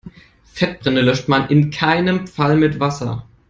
Fettbrände löscht man in keinem Fall mit Wasser.